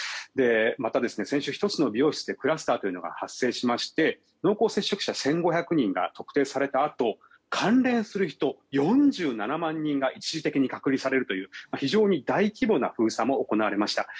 また、先週１つの美容室でクラスターが発生しまして濃厚接触者１５００人が特定されたあと関連する人４７万人が一時的に隔離されるという非常に大規模な封鎖も行われました。